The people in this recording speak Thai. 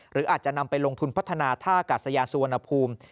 หรืออาจจะนำไปลงทุนพัฒนาท่ากาศยานสุวรรณภูมิ